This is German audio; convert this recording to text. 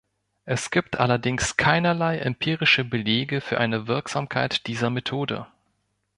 Es gibt allerdings keinerlei empirische Belege für eine Wirksamkeit dieser Methode.